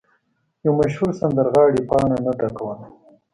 یو مشهور سندرغاړی پاڼه نه ډکوله.